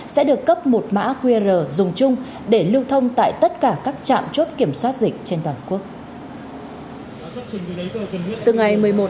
sẽ được cấp một mã qr dùng chung để lưu thông tại tất cả các trạm chốt kiểm soát dịch trên toàn quốc